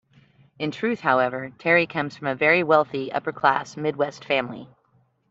In truth however, Terry comes from a very wealthy, upper class, Midwest family.